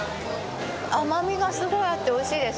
甘みがすごいあっておいしいです。